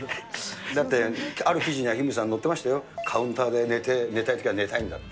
ある記事には、フミヤさん、載ってましたよ、カウンターで寝たいときは寝たいんだって。